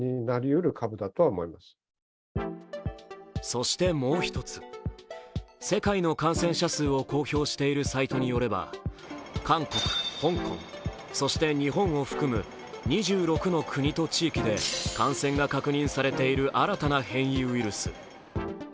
そしてもう一つ、世界の感染者数を公表しているサイトによれば韓国、香港、そして日本を含む２６の国と地域で感染が確認されている新たな変異ウイルス。